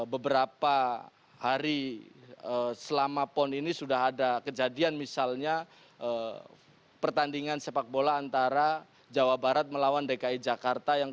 beberapa hari selama pon ini sudah ada kejadian misalnya pertandingan sepak bola antara jawa barat melawan dki jakarta